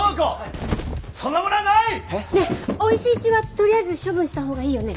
ねえおいしい血はとりあえず処分したほうがいいよね？